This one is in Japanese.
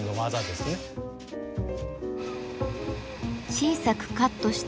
小さくカットした